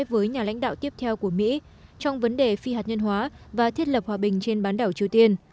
với nhà lãnh đạo tiếp theo của mỹ trong vấn đề phi hạt nhân hóa và thiết lập hòa bình trên bán đảo triều tiên